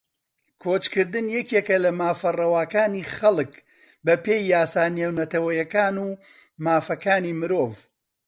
کۆچکردن یەکێکە لە مافە ڕەواکانی خەڵک بەپێی یاسا نێونەتەوەییەکان و مافەکانی مرۆڤ